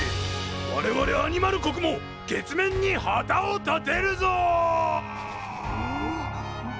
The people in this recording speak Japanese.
われわれアニマル国も月面に旗を立てるぞ！